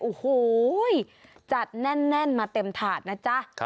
โอ้โหจัดแน่นมาเต็มถาดนะจ๊ะ